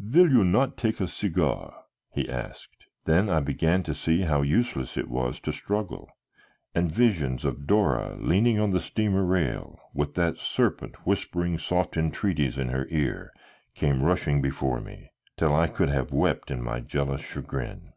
"Will you not take a cigar?" he asked. Then I began to see how useless it was to struggle, and visions of Dora leaning on the steamer rail with that serpent whispering soft entreaties in her ear came rushing before me, till I could have wept in my jealous chagrin.